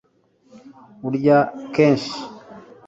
urya kenshi